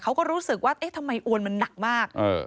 เขาก็รู้สึกว่าเอ๊ะทำไมอวนมันหนักมาก